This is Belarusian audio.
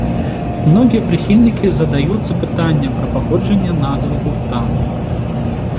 Многія прыхільнікі задаюцца пытаннем пра паходжанне назвы гурта.